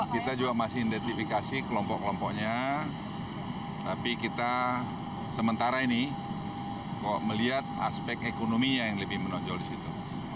kita juga masih identifikasi kelompok kelompoknya tapi kita sementara ini melihat aspek ekonominya yang lebih menonjol di situ